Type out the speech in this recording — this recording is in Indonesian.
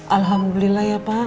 alhamdulillah ya pak